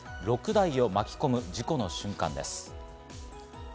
６台を巻き込む事故の瞬間です。